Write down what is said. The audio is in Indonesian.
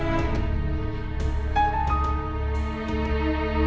hati hati di jalan ya